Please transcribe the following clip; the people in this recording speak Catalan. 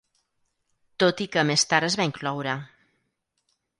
Tot i que més tard es va incloure.